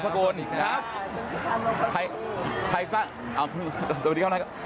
สวัสดีครับสวัสดีครับ